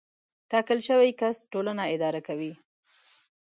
ټاکل شوی کس ټولنه اداره کوي.